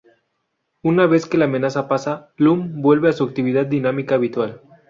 Una vez que la amenaza pasa, Lum vuelve a su actitud dinámica habitual.